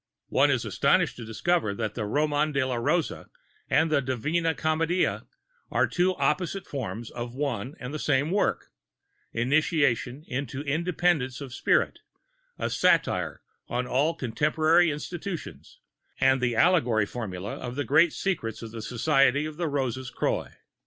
One is astonished to discover that the Roman de la Rose and the Divina Commedia are two opposite forms of one and the same work, initiation into independence of spirit, a satire on all contemporary institutions, and the allegorical formula of the great Secrets of the Society of the Roses Croix.